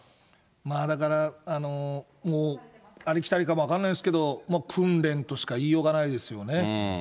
だからもう、ありきたりかも分からないですけど、訓練としか言いようがないですよね。